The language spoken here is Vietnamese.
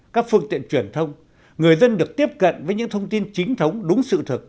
các phương tiện truyền thông người dân được tiếp cận với những thông tin chính thống đúng sự thực